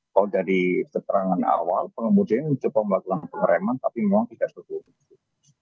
kalau dari keterangan awal pengemudinya mencoba melakukan pengereman tapi memang tidak terhunggi